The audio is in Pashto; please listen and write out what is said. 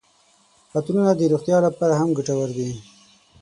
عطرونه د روغتیا لپاره هم ګټور دي.